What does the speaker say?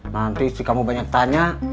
nanti si kamu banyak tanya